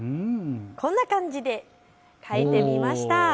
こんな感じで描いてみました。